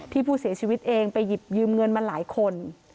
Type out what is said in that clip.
ที่ผู้เสียชีวิตเองไปหยิบยืมเงินมาหลายคน